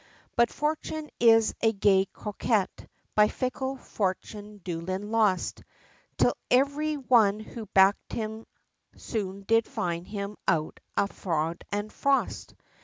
But fortune is a gay coquette; by fickle fortune, Doolin lost, Till every one who backed him, soon did find him out a fraud and frost.